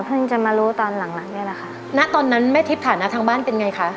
เพิ่งจะมารู้ตอนหลังนี่แหละค่ะณตอนนั้นแม่ทิศฐานะทางบ้านเป็นไงค่ะ